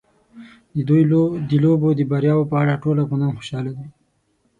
د دوی د لوبو د بریاوو په اړه ټول افغانان خوشاله دي.